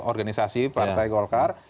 organisasi partai golkar